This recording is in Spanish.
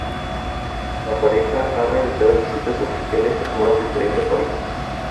La pareja, ha realizado visitas oficiales a más de treinta países.